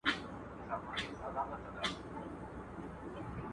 تاسي ولي د خپل کلتور په اړه داسي بې پروا پاتې سواست؟